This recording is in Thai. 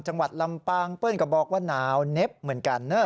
จังหวัดลำปางเปิ้ลก็บอกว่าหนาวเน็บเหมือนกัน